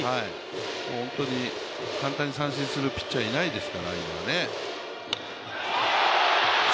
本当に簡単に三振するピッチャーはなかなかいないです。